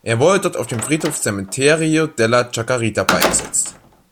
Er wurde dort auf dem Friedhof Cementerio de la Chacarita beigesetzt.